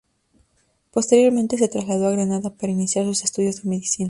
Posteriormente se trasladó a Granada para iniciar sus estudios de Medicina.